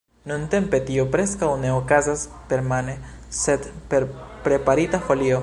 Nuntempe tio preskaŭ ne okazas permane, sed per preparita folio.